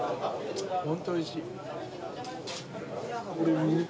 本当おいしい。